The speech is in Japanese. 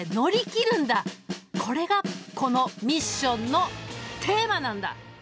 これがこのミッションのテーマなんだ。